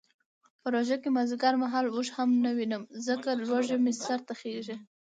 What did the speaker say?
په روژه کې مازدیګر مهال اوښ هم نه وینم ځکه لوږه مې سرته خیژي.